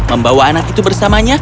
membawa anak itu bersamanya